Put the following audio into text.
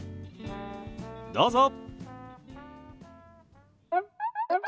どうぞ。